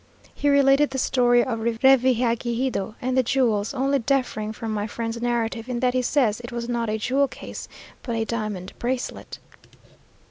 He related the story of Revillagigedo and the jewels, only differing from my friend's narrative in that he says it was not a jewel case, but a diamond bracelet.